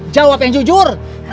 jawab teh jujur